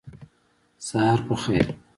سهار په خیر !